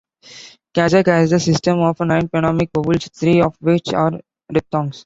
Kazakh has a system of nine phonemic vowels, three of which are diphthongs.